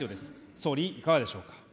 総理、いかがでしょうか。